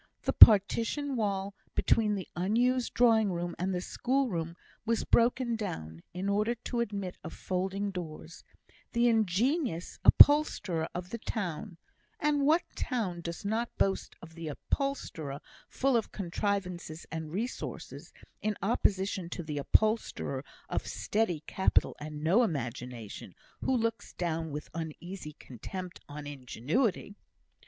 The partition wall between the unused drawing room and the school room was broken down, in order to admit of folding doors; the "ingenious" upholsterer of the town (and what town does not boast of the upholsterer full of contrivances and resources, in opposition to the upholsterer of steady capital and no imagination, who looks down with uneasy contempt on ingenuity?)